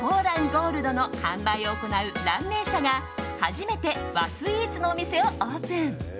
ゴールドの販売を行う卵明舎が初めて和スイーツのお店をオープン。